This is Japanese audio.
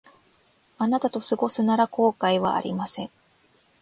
あなたと過ごすなら後悔はありません